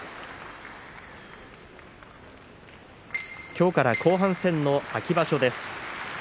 今日から後半戦の秋場所です。